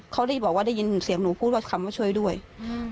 เขารีบบอกว่าได้ยินเสียงหนูพูดว่าคำว่าช่วยด้วยอืม